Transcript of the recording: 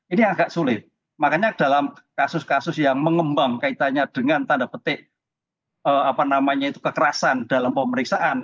ini agak sulit makanya dalam kasus kasus yang mengembang kaitannya dengan tanda petik kekerasan dalam pemeriksaan